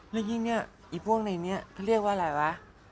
แล้วยิ่งเนี่ยไอ้พวกในนี้เขาเรียกว่าอะไรวะ